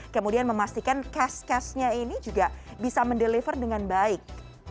kemudian memastikan cash cashnya ini juga bisa mendeliver dengan baik